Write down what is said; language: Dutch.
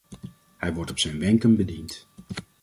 Hij wordt op zijn wenken bediend.